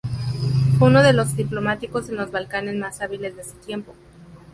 Fue uno de los diplomáticos en los Balcanes más hábiles de su tiempo.